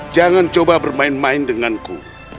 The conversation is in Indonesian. jangan coba bermain main denganku